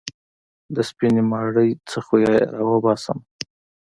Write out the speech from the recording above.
د سپينې ماڼۍ نه خو يې راوباسمه.